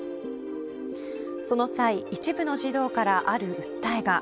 その際、一部の児童からある訴えが。